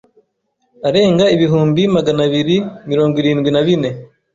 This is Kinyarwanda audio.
arenga ibihumbi Magana abiri mirongo irindwi nabine